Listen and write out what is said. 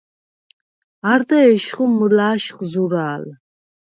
არდა ეშხუ მჷლა̄შხ ზურა̄ლ.